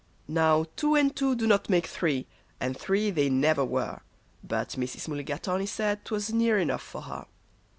Now two and two do not make three, and three they never were; But Mrs. Mulligatawny said 'twas near enough for her.